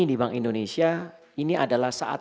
di bank indonesia ini adalah saat